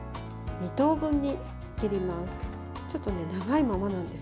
２等分に切ります。